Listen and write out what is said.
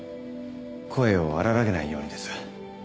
声を荒らげないようにです